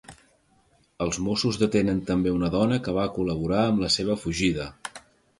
Els Mossos detenen també una dona que va col·laborar amb la seva fugida.